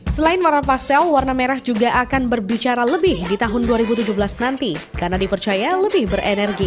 selain warna pastel warna merah juga akan berbicara lebih di tahun dua ribu tujuh belas nanti karena dipercaya lebih berenergi